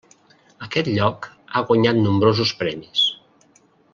Aquest lloc ha guanyat nombrosos premis.